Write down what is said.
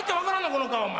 この顔お前。